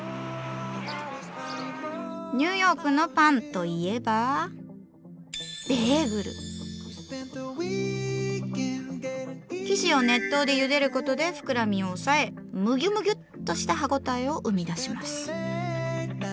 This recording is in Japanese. ニューヨークのパンといえば生地を熱湯でゆでることで膨らみを抑えムギュムギュッとした歯応えを生み出します。